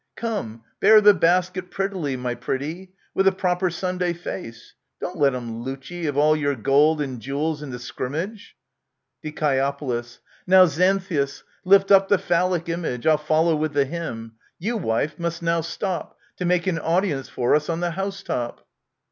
Come, bear the basket prettily, my pretty ! With a proper Sunday face ! Don't let 'em loot ye Of all your gold and jewels in the scrimmage ! Die. Now, Xanthias, lift up the Phallic image ; 111 follow with the hymn. You, wife, must now stop, To make an audience for us, on the housetop.